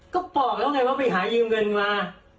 ก็บอกแล้วไงว่าไปหายืมเงินมา